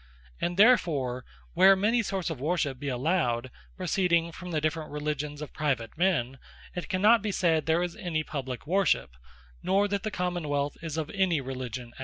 And therefore, where many sorts of Worship be allowed, proceeding from the different Religions of Private men, it cannot be said there is any Publique Worship, nor that the Common wealth is of any Religion at all.